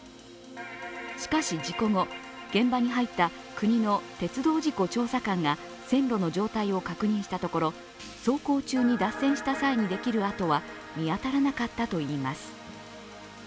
しかし、事故後、現場に入った国の鉄道事故調査官が線路の状態を確認したところ走行中に脱線した際にできる跡は見当たらなかったといいます。